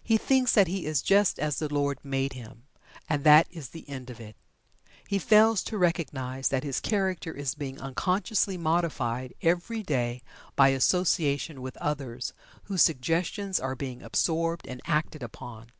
He thinks that he "is just as the Lord made him," and that is the end of it. He fails to recognize that his character is being unconsciously modified every day by association with others, whose suggestions are being absorbed and acted upon.